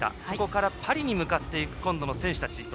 そこからパリに向かっていく今度の選手たち。